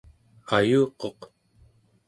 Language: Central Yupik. ayuquq